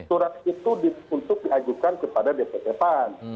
surat itu untuk diajukan kepada dpp pan